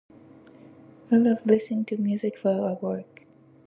I love listening to music while I work.